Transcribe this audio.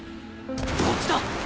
こっちだ！